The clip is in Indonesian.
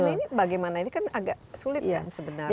nah ini bagaimana ini kan agak sulit kan sebenarnya